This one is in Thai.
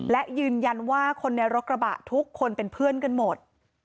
และยืนยันว่าคนในรถกระบะทุกคนเป็นเพื่อนกันหมด